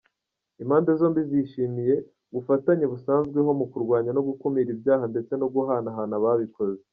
Impande zombi zishimiye ubufatanye busanzweho mu kurwanya no gukumira ibyaha ndetse no guhanahana ababikoze.